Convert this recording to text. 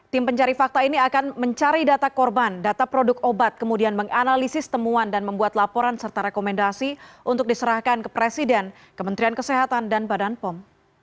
tim pencari fakta ini akan mencari data korban data produk obat kemudian menganalisis temuan dan membuat laporan serta rekomendasi untuk diserahkan ke presiden kementerian kesehatan dan badan pom